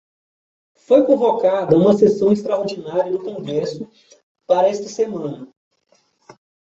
Foi convocada uma sessão extraordinária no congresso para esta semana